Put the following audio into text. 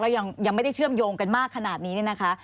ยังไม่ได้เชื่อมโยงกันมากขนาดนี้เนี่ยนะคะ